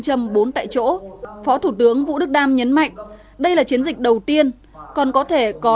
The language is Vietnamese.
trâm bốn tại chỗ phó thủ tướng vũ đức đam nhấn mạnh đây là chiến dịch đầu tiên còn có thể có